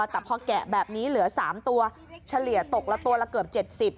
แต่พอแกะแบบนี้เหลือ๓ตัวเฉลี่ยตกละตัวละเกือบ๗๐